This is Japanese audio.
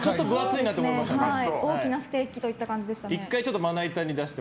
大きなステーキといった感じでした。